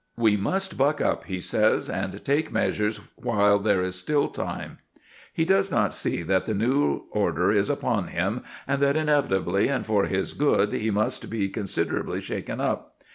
"We must buck up!" he says, "and take measures while there is yet time." He does not see that the newer order is upon him, and that inevitably and for his good he must be considerably shaken up.